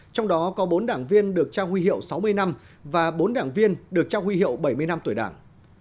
trong đó có bốn đảng viên được trao huy hiệu sáu mươi năm và bốn đảng viên được trao huy hiệu bảy mươi năm tuổi đảng